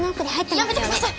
やめてください！